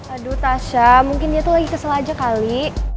aduh tasya mungkin dia tuh lagi kesel aja kali